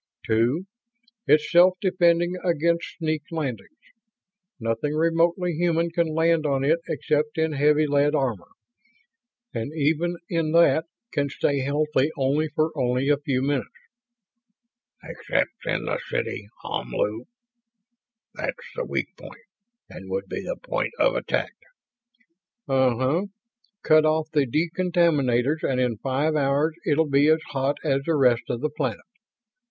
Two, it's self defending against sneak landings. Nothing remotely human can land on it except in heavy lead armor, and even in that can stay healthy for only a few minutes." "Except in the city. Omlu. That's the weak point and would be the point of attack." "Uh uh. Cut off the decontaminators and in five hours it'll be as hot as the rest of the planet.